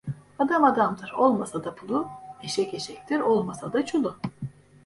Adam adamdır, olmasa da pulu; eşek eşektir, olmasa da çulu.